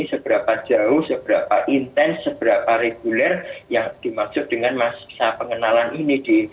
seberapa jauh seberapa intens seberapa reguler yang dimaksud dengan masa pengenalan ini